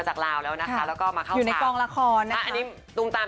ค่ะล่าสุดแห่งบอกว่าน้องมิสลาว